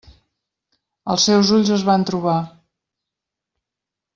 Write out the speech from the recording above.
Els seus ulls es van trobar.